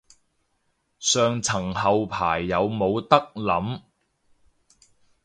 上層後排有冇得諗